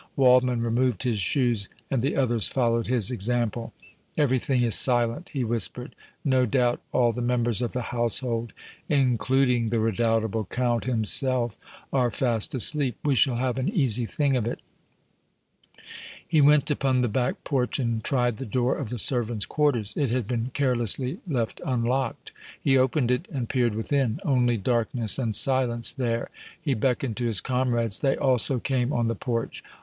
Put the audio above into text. Waldmann removed his shoes and the others followed his example. "Everything is silent," he whispered. "No doubt all the members of the household, including the redoubtable Count himself, are fast asleep. We shall have an easy thing of it." He went upon the back porch and tried the door of the servants' quarters. It had been carelessly left unlocked. He opened it and peered within. Only darkness and silence there. He beckoned to his comrades; they also came on the porch.